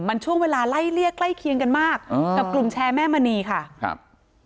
มันช่วงเวลาไล่เลี่ยใกล้เคียงกันมากกับกลุ่มแชร์แม่มณีค่ะครับ